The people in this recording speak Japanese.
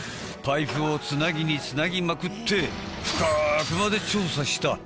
パイプをつなぎにつなぎまくって深くまで調査した。